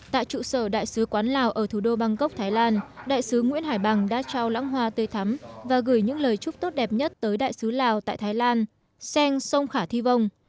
tại trụ sở đại sứ quán lào ở thủ đô bangkok thái lan đại sứ nguyễn hải bằng đã trao lãng hoa tươi thắm và gửi những lời chúc tốt đẹp nhất tới đại sứ lào tại thái lan sen sông khả thi vông